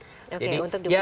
oke untuk diperiksa ya